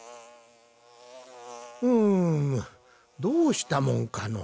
うむどうしたもんかのう。